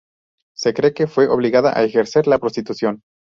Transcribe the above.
Se cree que fue obligada a ejercer la prostitución.